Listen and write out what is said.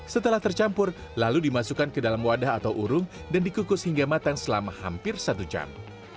setelah tercampur lalu dimasukkan ke dalam wadah atau urung dan dikukus hingga matang selama hampir satu jam